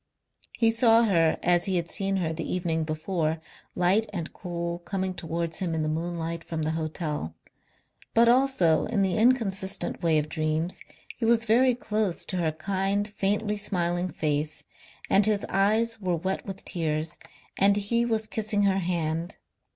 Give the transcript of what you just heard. He saw her as he had seen her the evening before, light and cool, coming towards him in the moonlight from the hotel. But also in the inconsistent way of dreams he was very close to her kind, faintly smiling face, and his eyes were wet with tears and he was kissing her hand.